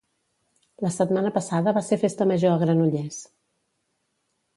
La setmana passada va ser Festa Major a Granollers